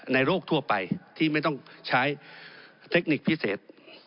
โรคทั่วไปที่ไม่ต้องใช้เทคนิคพิเศษ